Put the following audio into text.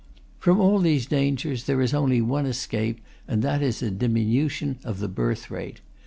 From all these dangers, there is only one escape, and that is a diminution of the birth rate.